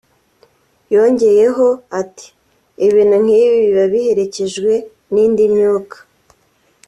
Yongeyeho ati 'Ibintu nk'ibi biba biherekejwe n'indi myuka'